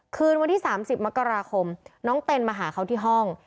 คืนวันที่๓๐มกราคมน้องเต้นมาหาเขาที่ห้อง